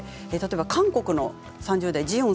韓国の３０代の方